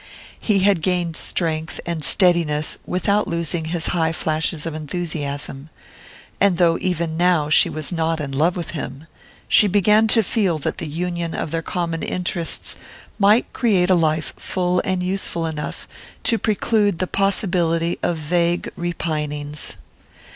He had gained in strength and steadiness without losing his high flashes of enthusiasm; and though, even now, she was not in love with him, she began to feel that the union of their common interests might create a life full and useful enough to preclude the possibility of vague repinings.